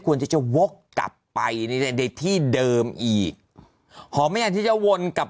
ที่จะวกกลับไปในในที่เดิมอีกหอมไม่อยากที่จะวนกลับ